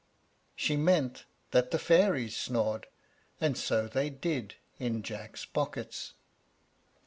She meant that the fairies snored, and so they did, in Jack's pockets.